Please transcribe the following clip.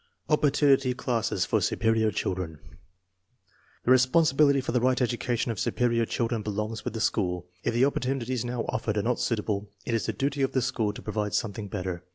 Opportunity classes for superior children. The re sponsibility for~tEelpight education of superior children belongs with the school. If the opportunities now offered are not suitable, it is the duty of the school to provide something better.